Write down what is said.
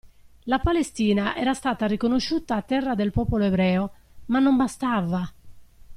La Palestina era stata riconosciuta terra del popolo ebreo, ma non bastava!